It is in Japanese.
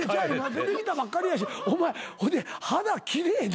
出てきたばっかりやしお前ほいで肌奇麗な。